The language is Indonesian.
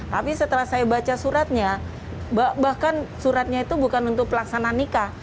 tapi setelah saya baca suratnya bahkan suratnya itu bukan untuk pelaksana nikah